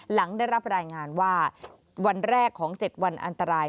หลังได้รับรายงานว่าวันแรกของ๗วันอันตราย